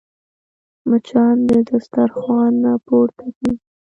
مچان د دسترخوان نه پورته کېږي